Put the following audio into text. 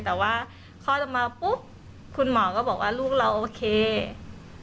แต่ว่าคลอดออกมาปุ๊บคุณหมอก็บอกว่าลูกเราโอเค